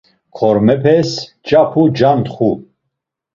Kormepes mç̌apu cantxu.